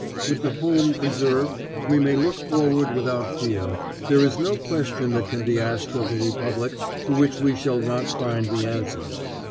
With the home preserved we may look forward without fear; there is no question that can be asked of the Republic to which we shall not find the answer.